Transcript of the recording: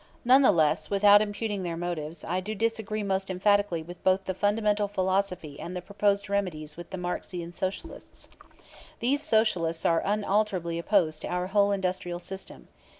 None the less, without impugning their motives, I do disagree most emphatically with both the fundamental philosophy and the proposed remedies of the Marxian Socialists. These Socialists are unalterably opposed to our whole industrial system.